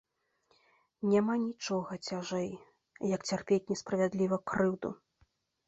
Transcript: Няма нічога цяжэй, як цярпець несправядліва крыўду.